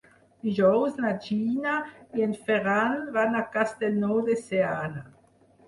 Dijous na Gina i en Ferran van a Castellnou de Seana.